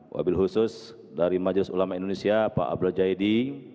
wabil khusus dari majelis ulama indonesia pak abdul jaidi